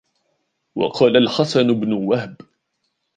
وَقَالَ الْحَسَنُ بْنُ وَهْبٍ